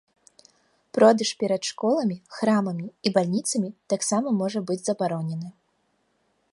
Продаж перад школамі, храмамі і бальніцамі таксама можа быць забаронены.